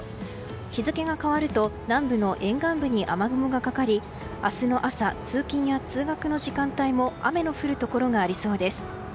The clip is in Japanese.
日付が変わると南部の沿岸部に雨雲がかかり明日の朝、通勤や通学の時間帯も雨の降るところがありそうです。